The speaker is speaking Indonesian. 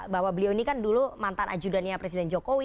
bahwa beliau ini kan dulu mantan ajudannya presiden jokowi